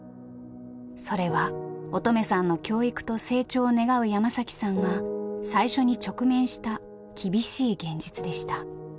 それは音十愛さんの教育と成長を願う山さんが最初に直面した厳しい現実でした。